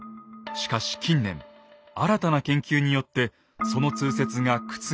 しかし近年新たな研究によってその通説が覆ろうとしています。